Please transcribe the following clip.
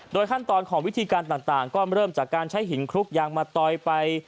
ขั้นตอนของวิธีการต่างก็เริ่มจากการใช้หินคลุกยางมาตอยไป